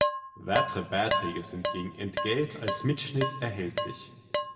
Weitere Beiträge sind gegen Entgelt als Mitschnitt erhältlich.